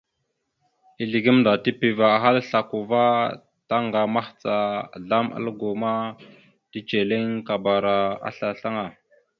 Izle gamnda tipiva ahal a slako ava, taŋga mahəca azlam algo ma, teceliŋ akabara aslasl aŋa.